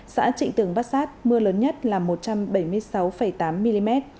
xã trịnh tường bát sát mưa lớn nhất là một trăm bảy mươi sáu tám mm